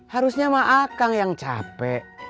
harusnya sama akang yang capek